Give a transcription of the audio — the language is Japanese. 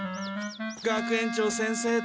学園長先生